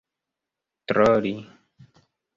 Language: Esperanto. troli